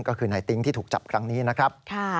ก็คือนายติ๊งที่ถูกจับครั้งนี้นะครับ